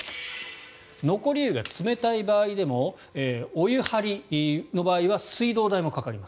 残り湯が冷たい場合でもお湯張りの場合は水道代がかかります。